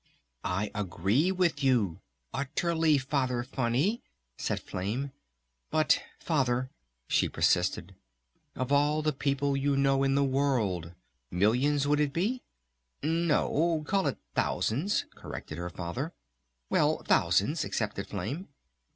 "I agree with you ... utterly, Father Funny!" said Flame. "But ... Father," she persisted, "Of all the people you know in the world, millions would it be?" "No, call it thousands" corrected her Father. "Well, thousands," accepted Flame.